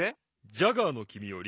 ジャガーのきみより。